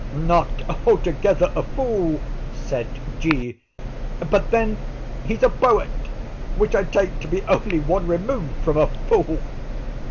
"Not altogether a fool," said G., "but then he's a poet, which I take to be only one remove from a fool."